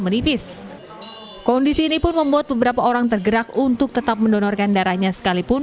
menipis kondisi ini pun membuat beberapa orang tergerak untuk tetap mendonorkan darahnya sekalipun